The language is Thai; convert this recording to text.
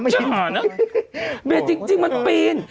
เจ้าน่ะเจ้าน่ะจริงมันปีน